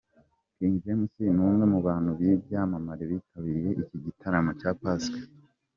King James ni umwe mu bantu b'ibyamamare bitabiriye iki gitaramo cya Pasika.